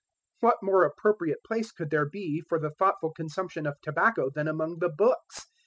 What more appropriate place could there be for the thoughtful consumption of tobacco than among the books?